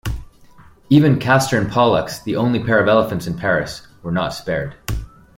Even Castor and Pollux, the only pair of elephants in Paris, were not spared.